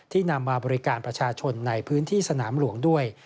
นำมาบริการประชาชนในพื้นที่สนามหลวงด้วย